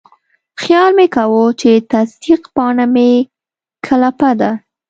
خیال مې کاوه چې تصدیق پاڼه مې کلپه ده.